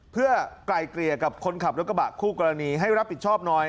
เพื่อไกลเกลี่ยกับคนขับรถกระบะคู่กรณีให้รับผิดชอบหน่อย